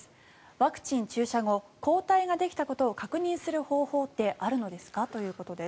ワクチン注射後抗体ができたことを確認する方法ってあるのですか？ということです。